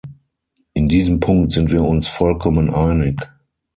In diesem Punkt sind wir uns vollkommen einig.